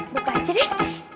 buka aja deh